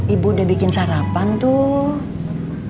ibu udah bikin sarapan tuh